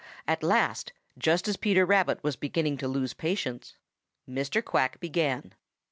At last, just as Peter Rabbit was beginning to lose patience Mr. Quack began.